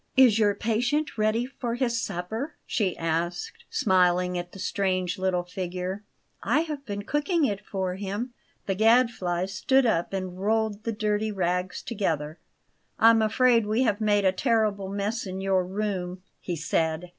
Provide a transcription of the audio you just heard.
"Is your patient ready for his supper?" she asked, smiling at the strange little figure. "I have been cooking it for him." The Gadfly stood up and rolled the dirty rags together. "I'm afraid we have made a terrible mess in your room," he said.